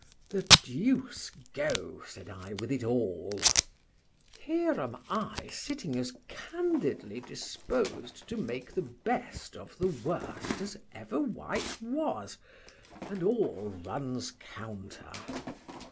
—The deuce go, said I, with it all! Here am I sitting as candidly disposed to make the best of the worst, as ever wight was, and all runs counter.